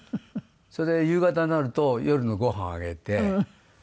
それで夕方になると夜のご飯あげて。